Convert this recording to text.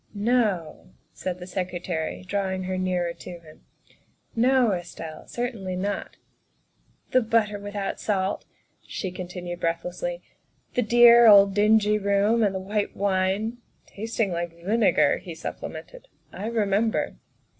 " No," said the Secretary, drawing her nearer to him, '' no, Estelle, certainly not. ''" The butter without salt," she continued breath lessly, " the dear old dingy room, and the white wine " Tasting like vinegar," he supplemented. " I re member.